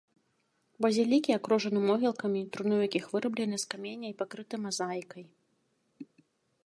Базілікі акружаны могілкамі, труны ў якіх выраблены з каменя і пакрыты мазаікай.